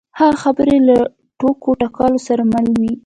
د هغه خبرې له ټوکو ټکالو سره ملې وې.